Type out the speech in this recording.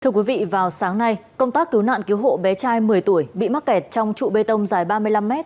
thưa quý vị vào sáng nay công tác cứu nạn cứu hộ bé trai một mươi tuổi bị mắc kẹt trong trụ bê tông dài ba mươi năm m